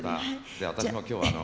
で私も今日はあの。